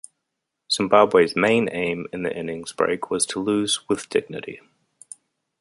Zimbabwe's main aim in the innings break was to lose with dignity.